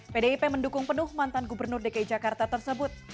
pdip mendukung penuh mantan gubernur dki jakarta tersebut